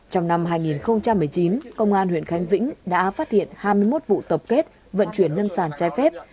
trong năm hai nghìn một mươi chín công an huyện khánh vĩnh đã phát hiện hai mươi một vụ tập kết vận chuyển nhân sản trái phép